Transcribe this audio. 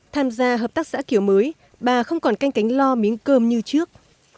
tham gia hợp tác xã kiểu mới bà không còn canh cánh lo miếng cơm như trước